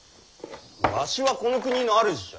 わしはこの国の主じゃ。